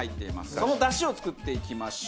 その出汁を作っていきましょう。